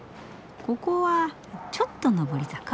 ここはちょっと上り坂？